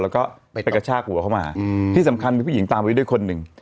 แล้วก็ไปกระชากหัวเข้ามาที่สำคัญมีผู้หญิงตามไว้ด้วยคนหนึ่ง